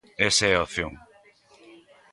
Esa é a opción.